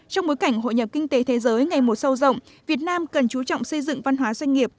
trong bối cảnh hội nhập kinh tế thế giới ngày mùa sâu rộng việt nam cần chú trọng xây dựng văn hóa doanh nghiệp